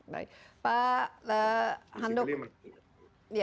dan itu masih infeksius ya